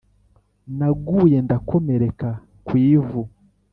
Naguye ndakomereka kw’ivu